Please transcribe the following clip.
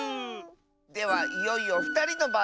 ではいよいよふたりのばんだ。